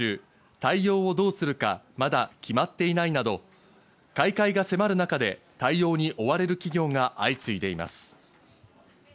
対応をどうするかまだ決まっていないなど開会が迫る中で対応に追われる企業が相次いでいます。